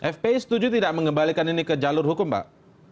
fpi setuju tidak mengembalikan ini ke jalur hukum pak